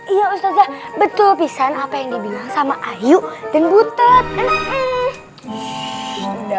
itu ada rencana pasti ada udah beres iya betul pisang apa yang dibilang sama ayu dan butet ya